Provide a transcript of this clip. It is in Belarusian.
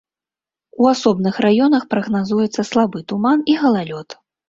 У асобных раёнах прагназуецца слабы туман і галалёд.